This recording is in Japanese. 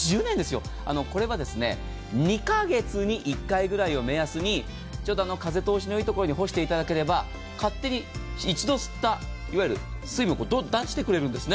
これは２カ月に１回ぐらいを目安に風通しの良い所に干していただければ勝手に一度吸った水分を出してくれるんです。